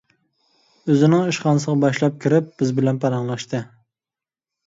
ئۆزىنىڭ ئىشخانىسىغا باشلاپ كىرىپ بىز بىلەن پاراڭلاشتى.